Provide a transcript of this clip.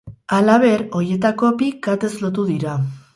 Halaber, horietako bi katez lotu dira.